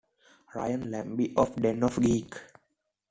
Ryan Lambie of Den of Geek!